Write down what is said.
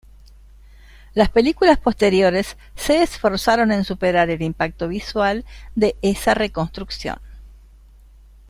Las películas posteriores se esforzaron en superar el impacto visual de esa reconstrucción.